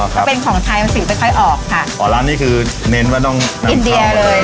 อ๋อครับแล้วเป็นของไทยมันสิ่งไปค่อยออกค่ะอ๋อร้านนี้คือเน้นว่าต้องอินเดียเลย